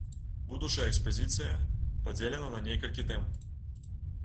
Будучая экспазіцыя падзелена на некалькі тэм.